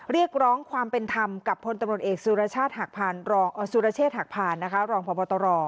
เรียกร้องความเป็นธรรมกับพลตำรวจเอกสุรเชษฐ์หักผ่านรองพต